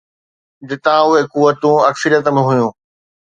جتان اهي قوتون اڪثريت ۾ هيون.